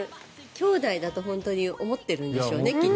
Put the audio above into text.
兄弟だと本当に思っているんでしょうね